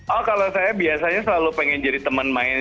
oh kalau saya biasanya selalu pengen jadi teman main